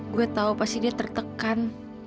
gue tahu pasti dia tertekan